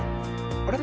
あれ？